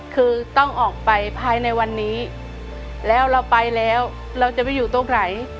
คือต้องออกไปภายในวันนี้แล้วเราไปแล้วเราจะไปอยู่ตรงไหน